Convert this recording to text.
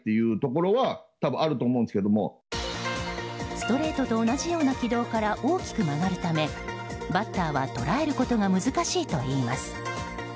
ストレートと同じような軌道から大きく曲がるためバッターは捉えることが難しいといいます。